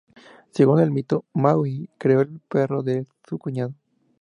Según el mito, Maui creó el perro de su cuñado.